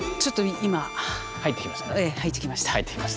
入ってきましたね。